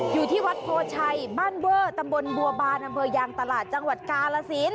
อยู่ที่วัดโพชัยบ้านเวอร์ตำบลบัวบานอำเภอยางตลาดจังหวัดกาลสิน